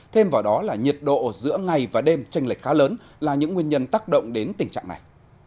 thêm vào đó là nhiệt độ giữa ngày và đêm tranh lệch khá lớn là những nguyên nhân tác động đến tình trạng này